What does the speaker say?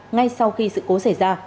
ngay sau khi sự cố xảy ra